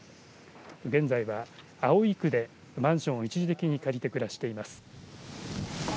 現在は、葵区でマンションを一時的に借りて暮らしています。